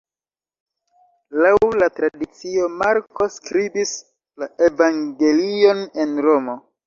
Laŭ la tradicio Marko skribis la evangelion en Romo.